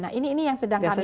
nah ini yang sedang kami